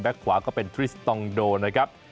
ขวาก็เป็นทริสตองโดนะครับ